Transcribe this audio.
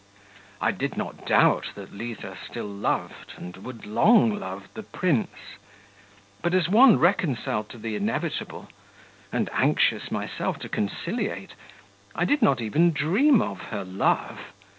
I did not doubt that Liza still loved, and would long love, the prince ... but as one reconciled to the inevitable, and anxious myself to conciliate, I did not even dream of her love.